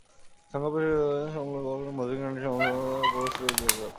সংগ্রাম পরিষদের সংবাদ সম্মেলনের পরপরই মধুর ক্যানটিনেই সংবাদ সম্মেলন করে প্রগতিশীল ছাত্রজোট।